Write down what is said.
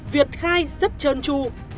việc khai rất trơn tru